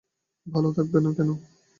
ভালো থাকবে না কেন?